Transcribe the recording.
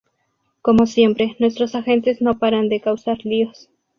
Como siempre, nuestros agentes no paran de causar líos.